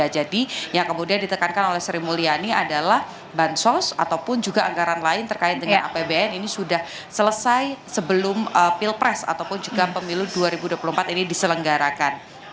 jadi yang kemudian ditekankan oleh sri mulyani adalah bansos ataupun juga anggaran lain terkait dengan apbn ini sudah selesai sebelum pilpres ataupun juga pemilu dua ribu dua puluh empat ini diselenggarakan